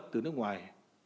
từ nước ngoài